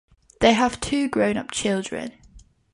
They have two grown-up children.